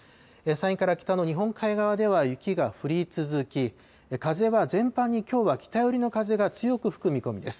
山陰から北の日本海側では雪が降り続き、風は全般にきょうは北寄りの風が強く吹く見込みです。